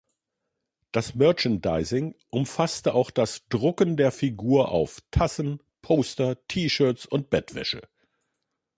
Das Merchandising umfasste auch das Drucken der Figur auf Tassen, Poster, T-Shirts und Bettwäsche.